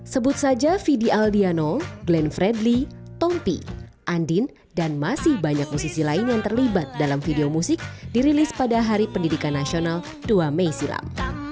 sebut saja fidi aldiano glenn fredly tompi andin dan masih banyak musisi lain yang terlibat dalam video musik dirilis pada hari pendidikan nasional dua mei silam